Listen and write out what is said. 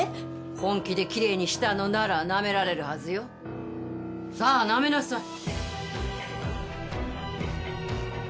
本気できれいにしたのなら舐められるはずよ。さあ舐めなさい！